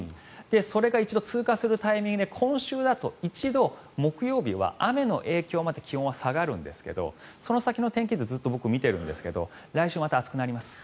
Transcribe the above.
それが一度通過するタイミングで今週だと一度木曜日は雨の影響で気温は下がるんですけどその先の天気図ずっと僕見てるんですが来週また暑くなります。